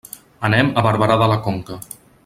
Anem a Barberà de la Conca.